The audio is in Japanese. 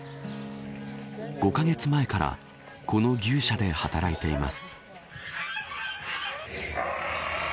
５カ月前からこの牛舎で働いています。